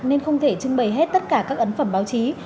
nên không thể trưng bày hết tất cả các ấn phẩm báo chí